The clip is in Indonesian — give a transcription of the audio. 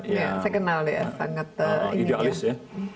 ya saya kenal ya sangat idealis ya